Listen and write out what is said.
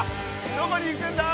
どこに行くんだ？